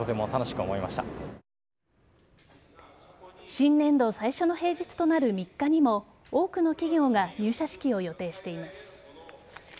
新年度最初の平日となる３日にも多くの企業が入社式を予定しています。